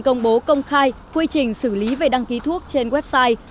công bố công khai quy trình xử lý về đăng ký thuốc trên website